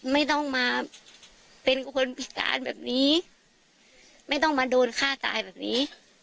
ไม่ต้องมาเป็นคนพิการแบบนี้ไม่ต้องมาโดนฆ่าตายแบบนี้